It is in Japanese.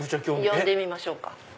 呼んでみましょうか？